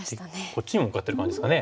こっちにも向かってる感じですかね。